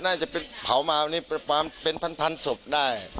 น่าจะเป็นเผามาวันนี้เป็นพันธุ์ศพได้